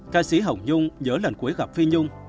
ca sĩ hồng nhung nhớ lần cuối gặp phi nhung